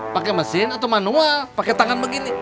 pakai mesin atau manual pakai tangan begini